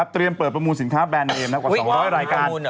เปิดประมูลสินค้าแบรนดเอมกว่า๒๐๐รายการ